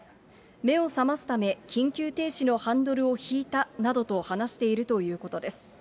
目を覚ますため、緊急停止のハンドルを引いたなどと話しているということです。